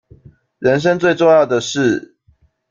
人生最重要的事